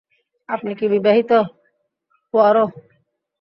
আপনি কি বিবাহিত, পোয়ারো?